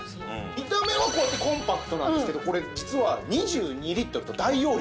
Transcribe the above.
見た目はこうやってコンパクトなんですけどこれ実は２２リットルと大容量。